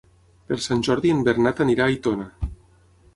Per Sant Jordi en Bernat anirà a Aitona.